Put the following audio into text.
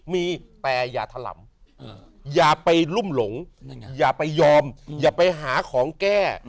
มีแต่อย่าถลำอย่าไปรุ่มหลงอย่าไปยอมอย่าไปหาของแก้